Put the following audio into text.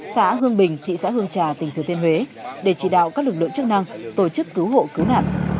xã hương bình thị xã hương trà tỉnh thừa thiên huế để chỉ đạo các lực lượng chức năng tổ chức cứu hộ cứu nạn